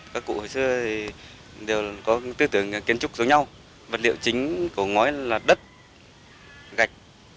các cụ hồi xưa thì đều có tư tưởng kiến trúc giống nhau vật liệu chính của ngói là đất gạch